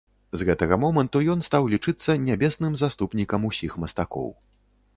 З гэтага моманту ён стаў лічыцца нябесным заступнікам усіх мастакоў.